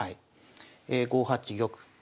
５八玉。